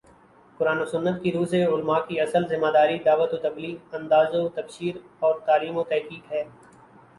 قرآن و سنت کی رو سے علما کی اصل ذمہ داری دعوت و تبلیغ، انذار و تبشیر اور تعلیم و تحقیق ہے